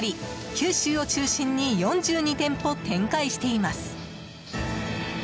九州を中心に４２店舗展開しています。